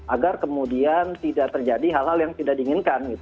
agar kemudian tidak terjadi hal hal yang tidak diinginkan